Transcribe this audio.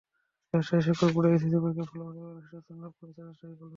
রাজশাহী শিক্ষা বোর্ডে এইচএসসি পরীক্ষার ফলাফলে এবারও শীর্ষস্থান লাভ করেছে রাজশাহী কলেজ।